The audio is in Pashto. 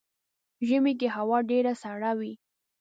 ژمی کې هوا ډیره سړه وي .